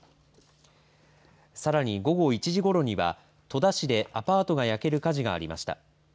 さらに午後１時ごろには戸田市でアパートが焼ける火事がありました。